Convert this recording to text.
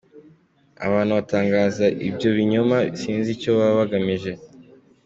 Abantu batangaza ibyo binyoma sinzi icyo baba bagamije.